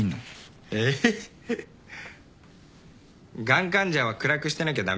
がん患者は暗くしてなきゃ駄目？